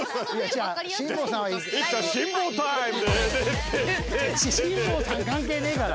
辛坊さん関係ねえから。